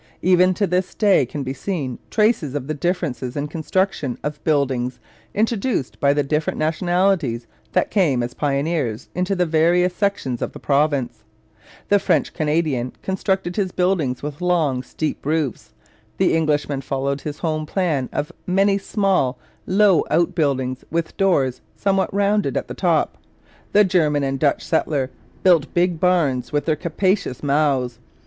Even to this day can be seen traces of the differences in construction of buildings introduced by the different nationalities that came as pioneers into the various sections of the province the French Canadian constructed his buildings with long, steep roofs; the Englishman followed his home plan of many small, low outbuildings with doors somewhat rounded at the top; the German and Dutch settler built big barns with their capacious mows.